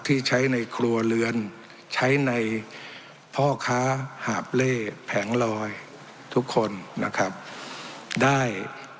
ที่ใช้ในครัวเรือนใช้ในพ่อค้าหาบเล่แผงลอยทุกคนนะครับได้